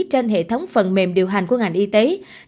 trên hệ thống phần mềm điều hành của ngành y tế